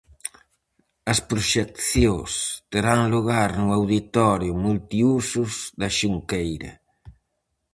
As proxeccións terán lugar no Auditorio Multiúsos da Xunqueira.